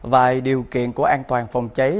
và điều kiện của an toàn phòng cháy